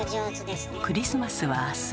クリスマスは明日。